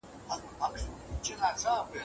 انا ته د ماشوم خندا بده ښکاري.